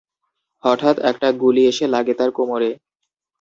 হঠাৎ একটা গুলি এসে লাগে তার কোমরে।